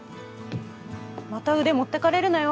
また腕持ってかれるなよ。